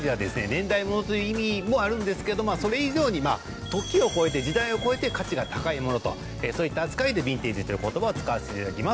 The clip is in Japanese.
年代物という意味もあるんですけどそれ以上にまあ時を超えて時代を超えて価値が高いものとそういった扱いでヴィンテージという言葉を使わせて頂きます。